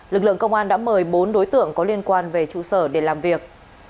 lực lượng công an đã mời bốn đối tượng có liên quan về trụ sở để làm việc